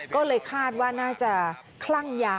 ก็เลยคาดว่าน่าจะคลั่งยา